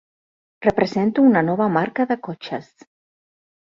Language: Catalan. Represento una nova marca de cotxes.